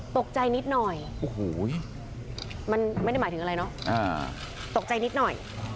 ตกใจนิดหน่อยโอ้โหมันไม่ได้หมายถึงอะไรเนอะตกใจนิดหน่อย